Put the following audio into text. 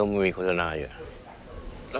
แล้วใส่อะไรบ้างอะแกงเยาะ